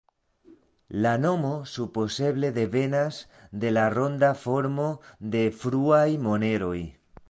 La nomo supozeble devenas de la ronda formo de fruaj moneroj.